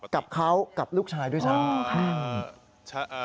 กับเขากับลูกชายด้วยซ้ำ